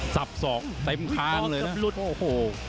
จับสอกเต็มทางเลยนะ